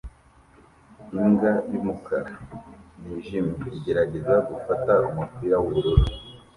Imbwa y'umukara n'iyijimye igerageza gufata umupira w'ubururu